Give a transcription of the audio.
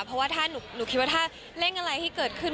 เพราะว่าถ้าหนูคิดว่าถ้าเร่งอะไรที่เกิดขึ้น